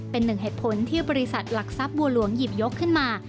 เป็นหนึ่งเหตุผลที่บริษัทหลักทรัพย์บัวหลวงหยิบยกขึ้นมา